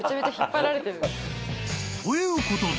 ［ということで］